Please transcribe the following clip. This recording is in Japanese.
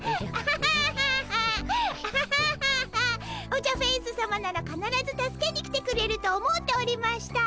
オジャフェウスさまならかならず助けに来てくれると思うておりました。